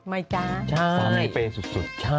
ไม่จ๊ะทราบมีเป็นสุด